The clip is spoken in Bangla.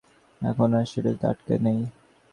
প্রাথমিক লক্ষ্য এটা করা হলেও এখন আর সেটা সেখানে আটকে নেই।